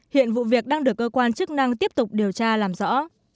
hiện vụ việc đang được cơ quan chức năng tiếp tục điều tra làm rõ